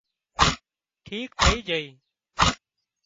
ٺيڪ ٿئي جھئي